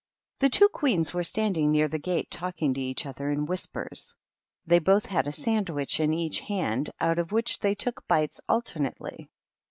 The two Queens were standing near the gate talking to each other in whispers. They both had a sandwich in each hand, out of which they took bites ahernately.